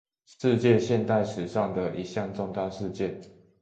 世界現代史上的一項重大事件